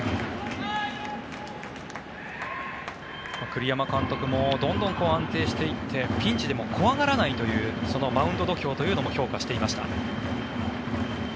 栗山監督もどんどん安定していってピンチでも怖がらないというマウンド度胸というのも評価していました。